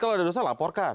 kalau ada dosa laporkan